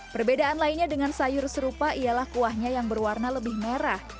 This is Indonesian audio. perbedaan lainnya dengan sayur serupa ialah kuahnya yang berwarna lebih merah